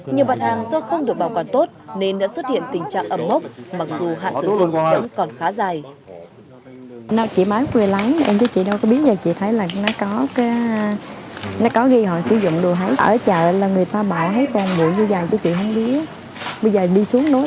nhiều mặt hàng do không được bảo quản tốt nên đã xuất hiện tình trạng ẩm mốc mặc dù hạn sử dụng vẫn còn khá dài